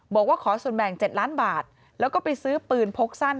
บอกว่าขอส่วนแบ่ง๗ล้านบาทแล้วก็ไปซื้อปืนพกสั้น